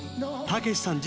たけしさん